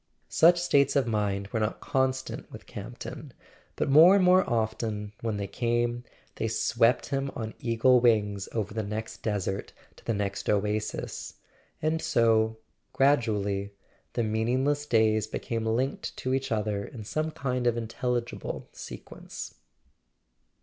Such states of mind were not constant with Camp ton; but more and more often, when they came, they swept him on eagle wings over the next desert to the next oasis; and so, gradually, the meaningless days became linked to each other in some kind of intelligible sequence.